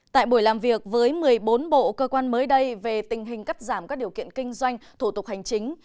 tại buổi làm việc với một mươi bốn bộ cơ quan mới đây về tình hình cắt giảm các điều kiện kinh doanh thủ tục hành chính